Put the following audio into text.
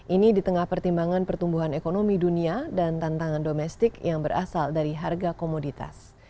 ini di tengah pertimbangan pertumbuhan ekonomi dunia dan tantangan domestik yang berasal dari harga komoditas